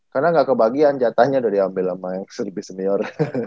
karena gak kebagian jatahnya udah diambil sama yang seribu senior